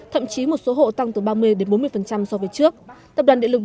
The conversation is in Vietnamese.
thậm chí một số hộ tăng từ ba mươi đến bốn mươi so với trước